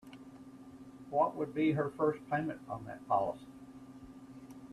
What would be her first payment on that policy?